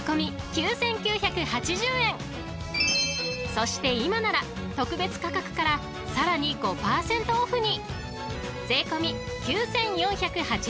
［そして今なら特別価格からさらに５％オフに］